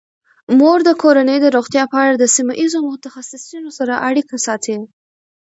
مور د کورنۍ د روغتیا په اړه د سیمه ایزو متخصصینو سره اړیکه ساتي.